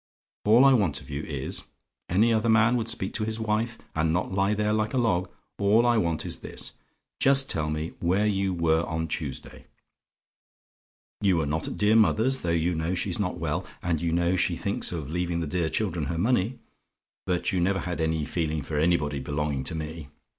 All I want of you is any other man would speak to his wife, and not lie there like a log all I want is this. Just tell me where you were on Tuesday? You were not at dear mother's, though you know she's not well, and you know she thinks of leaving the dear children her money; but you never had any feeling for anybody belonging to me.